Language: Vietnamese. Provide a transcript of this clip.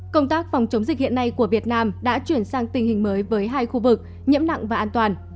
công tác phòng chống dịch hiện nay của việt nam đã chuyển sang tình hình mới với hai khu vực nhiễm nặng và an toàn